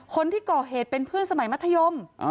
คนที่ก่อเหตุเป็นเพื่อนสมัยมัธยม